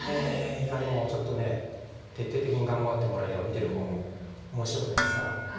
いやでもちょっと徹底的に頑張ってもらえれば見てる方も面白くなりますから。